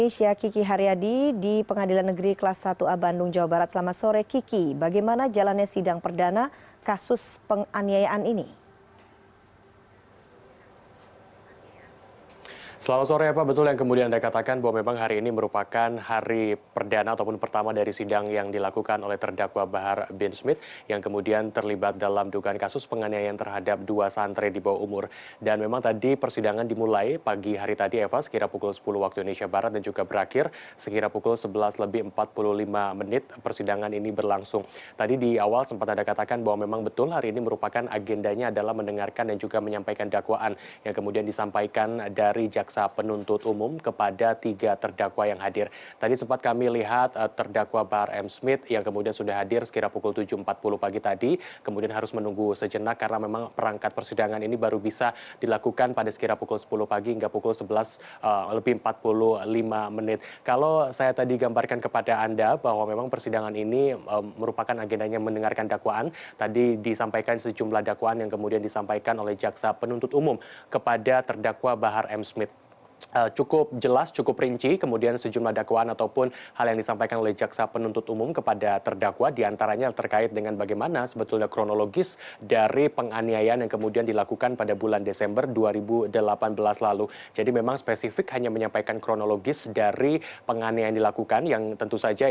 sudah ada produser lapangan cnn indonesia kiki haryadi di pengadilan negeri kelas satu bandung jawa barat selama sore